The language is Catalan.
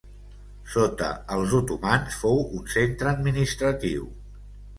Sota els otomans fou un centre administratiu.